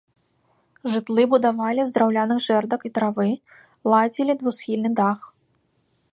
Жытлы будавалі з драўляных жэрдак і травы, ладзілі двухсхільны дах.